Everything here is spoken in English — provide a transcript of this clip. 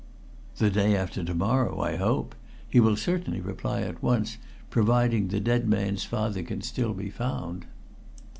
"The day after to morrow, I hope. He will certainly reply at once, providing the dead man's father can still be found."